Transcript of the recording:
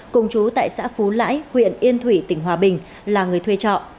cùng chú tại xã phú lãi huyện yên thủy tỉnh hòa bình là người thuê trọ